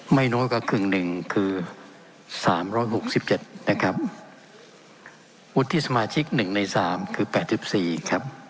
ไม่น้อยกว่า๑คือ๓๖๗นะครับอุทธิสมาชิก๑ใน๓คือ๘๔ครับ